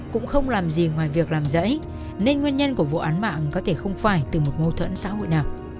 cũng không làm gì ngoài việc làm dãy nên nguyên nhân của vụ án mạng có thể không phải từ một mâu thuẫn xã hội nào